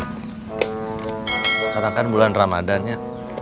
sekarang kan bulan ramadannya